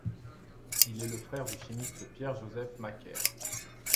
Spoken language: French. Il est le frère du chimiste Pierre Joseph Macquer.